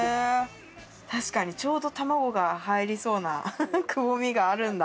確かにちょうど卵が入りそうなくぼみがあるんだ。